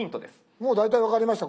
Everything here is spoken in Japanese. もう大体分かりました。